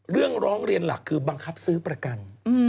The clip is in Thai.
ร้องเรียนหลักคือบังคับซื้อประกัน